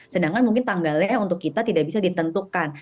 sedangkan mungkin tanggalnya untuk kita tidak bisa ditentukan